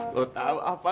lo tau apa